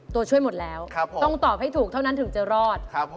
ตัวช่วยหมดแล้วต้องตอบให้ถูกเท่านั้นถึงจะรอด